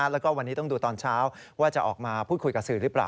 แล้วก็วันนี้ต้องดูตอนเช้าว่าจะออกมาพูดคุยกับสื่อหรือเปล่า